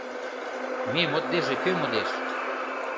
Ме моддеже кӧ модеш?